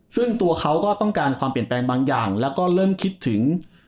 ซึ่งตัวเขาก็ต้องการความเปลี่ยนแปลงบางอย่างแล้วก็เริ่มคิดถึง